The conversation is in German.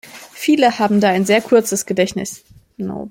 Viele haben da ein sehr kurzes Gedächtnis.